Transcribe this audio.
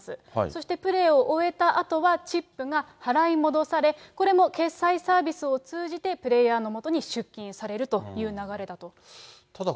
そして、プレーを終えたあとは、チップが払い戻され、これも決済サービスを通じてプレーヤーの元に出金されるという流ただ